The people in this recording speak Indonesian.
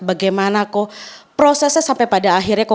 bagaimana ko prosesnya sampai pada akhirnya